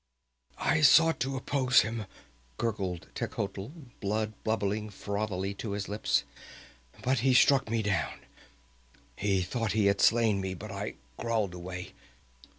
"I sought to oppose him," gurgled Techotl, blood bubbling frothily to his lips. "But he struck me down. He thought he had slain me, but I crawled away.